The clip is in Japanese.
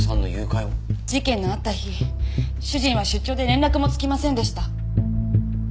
事件のあった日主人は出張で連絡もつきませんでした。